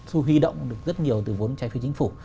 huy động được rất nhiều từ vốn trai phiếu chính phủ